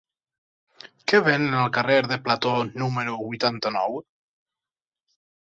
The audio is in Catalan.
Què venen al carrer de Plató número vuitanta-nou?